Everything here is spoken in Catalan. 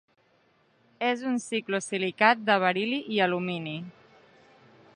És un ciclosilicat de beril·li i alumini.